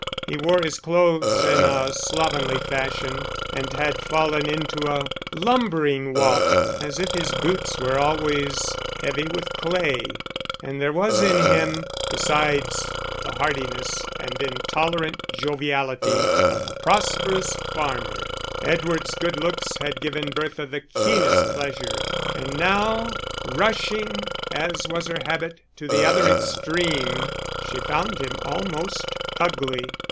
He wore his clothes in a slovenly fashion, and had fallen into a lumbering walk as if his boots were always heavy with clay; and there was in him, besides, the heartiness and intolerant joviality of the prosperous farmer. Edward's good looks had given Bertha the keenest pleasure, and now, rushing, as was her habit, to the other extreme, she found him almost ugly.